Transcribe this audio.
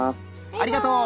ありがとう。